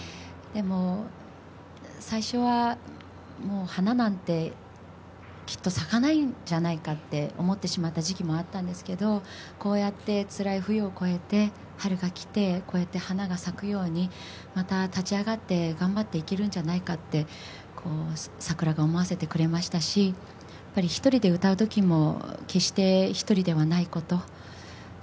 でも最初は、花なんてきっと咲かないんじゃないかって思ってしまった時期もあったんですけど、こうやってつらい冬を越えて春がきて、花が咲くようにまた立ち上がって頑張っていけるんじゃないかって桜が思わせてくれましたし一人で歌うときも、決して一人ではないこと。